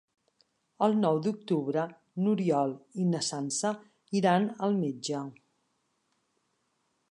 El nou d'octubre n'Oriol i na Sança iran al metge.